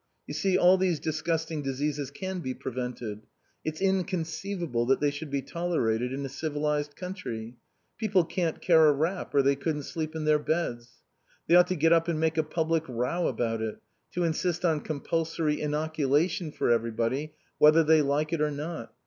You see, all these disgusting diseases can be prevented. It's inconceivable that they should be tolerated in a civilized country. People can't care a rap or they couldn't sleep in their beds. They ought to get up and make a public row about it, to insist on compulsory inoculation for everybody whether they like it or not.